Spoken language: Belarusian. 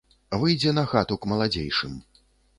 Выйдзе на хату к маладзейшым.